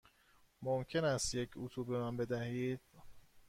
ممکن است یک اتو به من بدهید؟